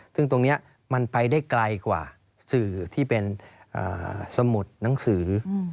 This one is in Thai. ซึ่งตรงนี้มันไปได้ไกลกว่าสื่อที่เป็นสมุดหนังสือ